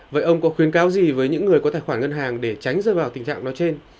vậy ông có khuyến cáo gì với những người có tài khoản ngân hàng để tránh rơi vào tình trạng nói trên